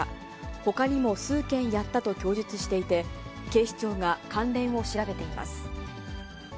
ほかにも数件やったと供述していて、警視庁が関連を調べています。